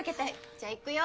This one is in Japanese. じゃあいくよ。